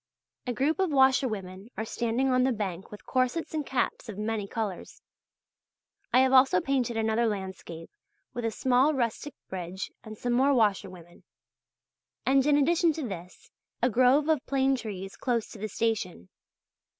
A group of washerwomen are standing on the bank with corsets and caps of many colours. I have also painted another landscape with a small rustic bridge and some more washerwomen, and in addition to this, a grove of plane trees close to the station.